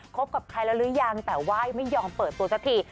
กับใครแล้วหรือยังแต่ว่ายไม่ยอมเปิดตัวสักที